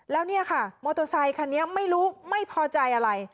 แล้วเนี่ยค่ะมอเตอร์ไซคันนี้ไม่รู้ไม่พอใจอะไร